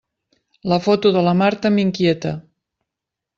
La foto de la Marta m'inquieta.